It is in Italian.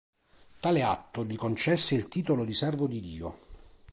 Tale atto gli concesse il titolo di Servo di Dio.